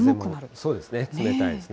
そうですね、冷たいですね。